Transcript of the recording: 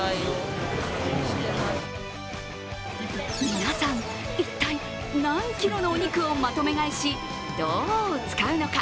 皆さん、一体何ｋｇのお肉をまとめ買いし、どう使うのか。